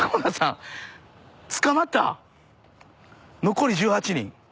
残り１８人。